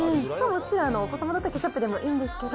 もちろんお子様だったらケチャップとかでもいいんですけど。